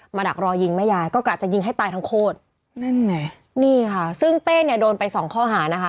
ดักรอยิงแม่ยายก็กะจะยิงให้ตายทั้งโคตรนั่นไงนี่ค่ะซึ่งเป้เนี่ยโดนไปสองข้อหานะคะ